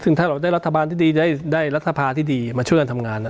ซึ่งถ้าเราได้รัฐบาลที่ดีได้รัฐภาที่ดีมาช่วยกันทำงาน